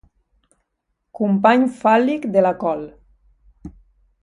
Company fàl·lic de la col.